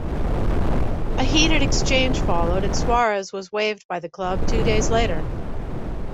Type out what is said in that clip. A heated exchange followed, and Suarez was waived by the club two days later.